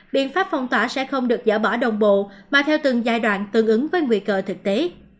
biện pháp phong tỏa sẽ không được dỡ bỏ đồng bộ mà theo từng giai đoạn tương ứng với nguy cơ thực tế